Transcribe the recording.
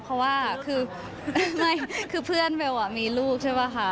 เพราะว่าคือเพื่อนเวลามีลูกใช่ป่ะค่ะ